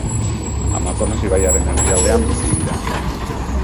Amazonas ibaiaren erdialdean bizi dira.